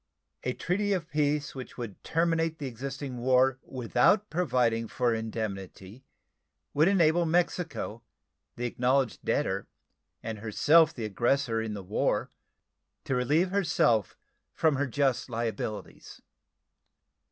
A treaty of peace which would terminate the existing war without providing for indemnity would enable Mexico, the acknowledged debtor and herself the aggressor in the war, to relieve herself from her just liabilities.